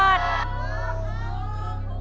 ฮาวะละพร้อม